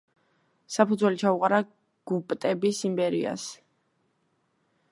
საფუძველი ჩაუყარა გუპტების იმპერიას.